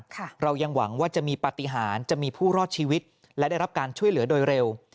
เรายังหวังว่าจะมีปฏิหารจะมีผู้รอดชีวิตและได้รับการช่วยเหลือโดยเร็ว